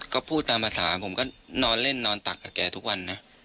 ก็พูดตามภาษาผมก็นอนเล่นนอนตักกับแกทุกวันนะ